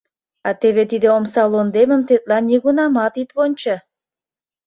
А теве тиде омсалондемым тетла нигунамат ит вончо